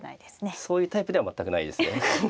そういうタイプでは全くないですね。